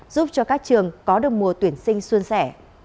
giúp cho các trường có được mùa tuyển sinh xuân sẻ